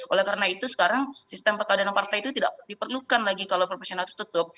oleh karena itu sekarang sistem peradilan partai itu tidak diperlukan lagi kalau profesional tertutup